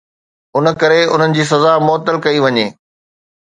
ان ڪري انهن جي سزا معطل ڪئي وڃي.